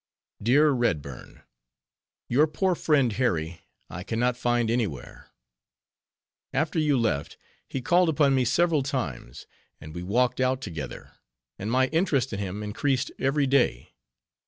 _"Dear Redburn—Your poor friend, Harry, I can not find any where. After you left, he called upon me several times, and we walked out together; and my interest in him increased every day.